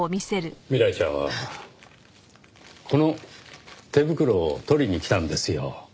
未来ちゃんはこの手袋を取りに来たんですよ。